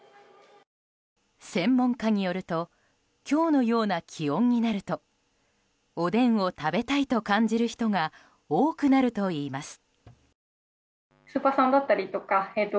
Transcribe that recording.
専門家によると今日のような気温になるとおでんを食べたいと感じる人が多くなるといいます。